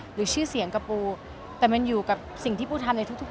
หรือชื่อเสียงกับปูแต่มันอยู่กับสิ่งที่ปูทำในทุก